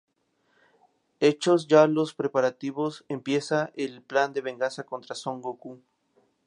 Hechos ya los preparativos, empieza el plan de venganza contra Son Gokū.